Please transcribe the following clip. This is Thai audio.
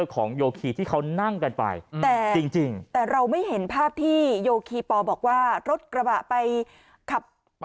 ของโยคีที่เขานั่งกันไปแต่จริงแต่เราไม่เห็นภาพที่โยคีปอบอกว่ารถกระบะไปขับ